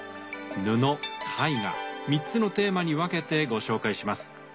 布絵画３つのテーマに分けてご紹介します。